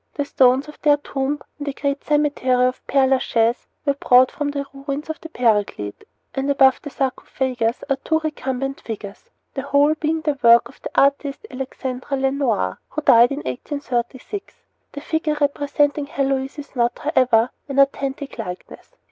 The stones of their tomb in the great cemetery of Pere Lachaise were brought from the ruins of the Paraclete, and above the sarcophagus are two recumbent figures, the whole being the work of the artist Alexandra Lenoir, who died in 1836. The figure representing Heloise is not, however, an authentic likeness.